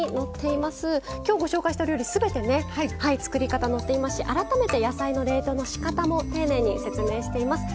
今日ご紹介した料理すべてね作り方載っていますし改めて野菜の冷凍のしかたも丁寧に説明しています。